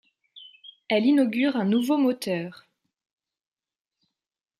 Elle inaugure un nouveau moteur.